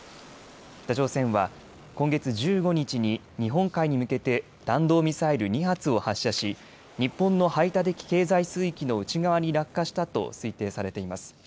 北朝鮮は今月１５日に日本海に向けて弾道ミサイル２発を発射し、日本の排他的経済水域の内側に落下したと推定されています。